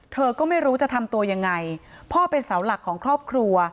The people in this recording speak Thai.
เธอก็ไม่รู้จะทำตัวยังไงพ่อเป็นเสาหลักของครอบครัว